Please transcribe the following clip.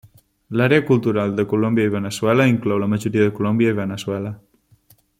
L'àrea cultural de Colòmbia i Veneçuela inclou la majoria de Colòmbia i Veneçuela.